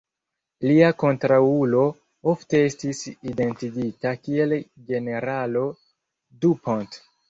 Lia kontraŭulo ofte estis identigita kiel generalo Dupont.